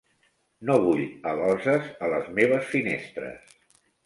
"No vull aloses a les meves finestres."